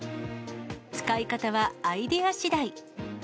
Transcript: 使い方はアイデアしだい。